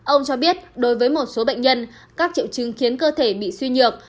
ông cho biết đối với một số bệnh nhân các triệu chứng khiến cơ thể bị suy nhược